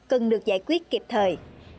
cần được giải quyết kịp thời